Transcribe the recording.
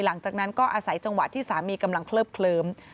หลังจากนั้นก็อาศัยจังหวะที่สามีกำลังเคลิบเคลิ้ม